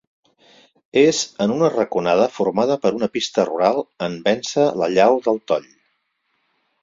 És en una raconada formada per una pista rural en vèncer la llau del Toll.